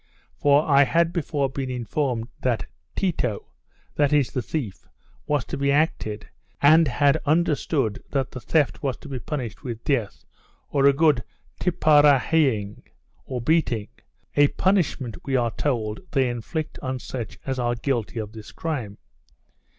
For I had before been informed that Teto (that is, the Thief) was to be acted, and had understood that the theft was to be punished with death, or a good tiparahying (or beating), a punishment, we are told, they inflict on such as are guilty of this crime.